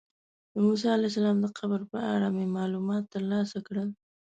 د موسی علیه السلام د قبر په اړه مې معلومات ترلاسه کړل.